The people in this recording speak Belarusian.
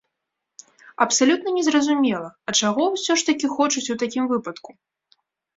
Абсалютна не зразумела, а чаго ўсё ж такі хочуць у такім выпадку?